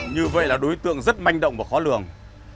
như vậy là đối tượng rất manh động và khó lường